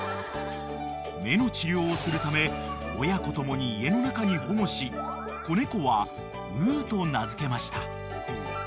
［目の治療をするため親子共に家の中に保護し子猫はウーと名付けました］